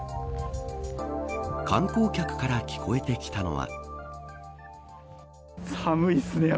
観光客から聞こえてきたのは。